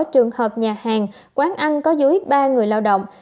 trường hợp nhà hàng quán ăn có dưới ba người lao động